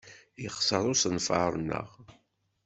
Yexṣer usenfar-nneɣ.